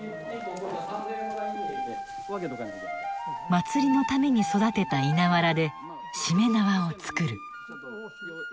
祭りのために育てた稲わらでしめ縄を作る。